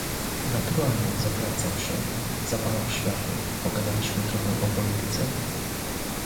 "Naturalnie zawracam się, zapalam światło, pogadaliśmy trochę o polityce..."